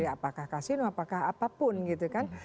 apakah kasino apakah apapun